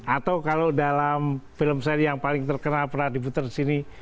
atau kalau dalam film seri yang paling terkenal pernah diputer disini